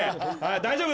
大丈夫？